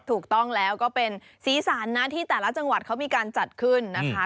ถูกต้องแล้วก็เป็นสีสันนะที่แต่ละจังหวัดเขามีการจัดขึ้นนะคะ